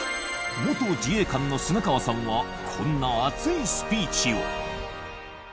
元自衛官の砂川さんはこんな熱いスピーチを。